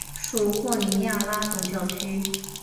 属霍尼亚拉总教区。